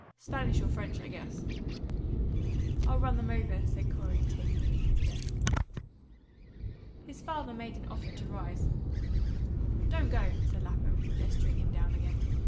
Spanish or French, I guess." "I'll run them over," said Corey, taking them to his desk. His father made an offer to rise. "Don't go," said Lapham, gesturing him down again.